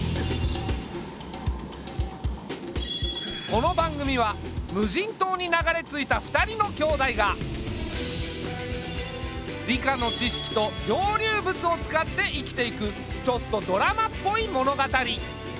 この番組は無人島に流れ着いた２人の兄妹が理科の知識と漂流物を使って生きていくちょっとドラマっぽい物語。